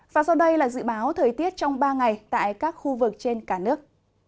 và sau đây là dự báo thời tiết trong ba ngày tại các khu vực trên cả nước